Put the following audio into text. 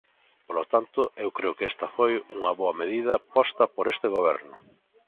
Polo tanto, eu creo que esta foi unha boa medida posta por este goberno.